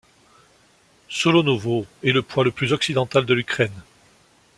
Solonovo est le point le plus occidental de l'Ukraine.